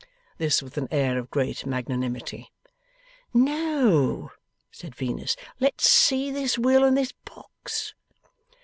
This with an air of great magnanimity. 'No,' said Venus. 'Let's see this will and this box.